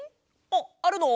あっあるの？